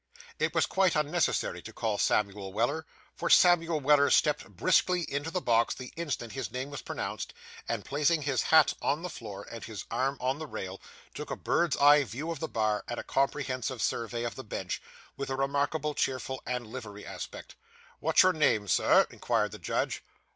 It was quite unnecessary to call Samuel Weller; for Samuel Weller stepped briskly into the box the instant his name was pronounced; and placing his hat on the floor, and his arms on the rail, took a bird's eye view of the Bar, and a comprehensive survey of the Bench, with a remarkably cheerful and lively aspect. 'What's your name, sir?' inquired the judge.